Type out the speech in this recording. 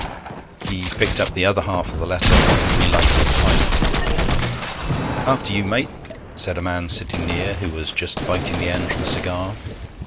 He picked up the other half of the letter, and relighted the pipe. 'After you, mate,' said a man sitting near, who was just biting the end from a cigar.